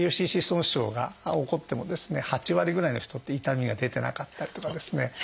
ＴＦＣＣ損傷が起こってもですね８割ぐらいの人って痛みが出てなかったりとかですね。